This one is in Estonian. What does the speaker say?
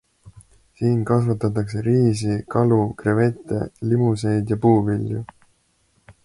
Siin kasvatatakse riisi, kalu, krevette, limuseid ja puuvilju.